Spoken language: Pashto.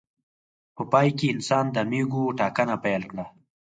په پای کې انسان د مېږو ټاکنه پیل کړه.